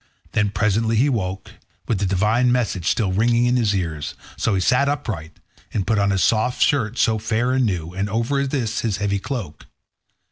Then presently he woke, with the divine message still ringing in his ears; so he sat upright, and put on his soft shirt so fair and new, and over this his heavy cloak.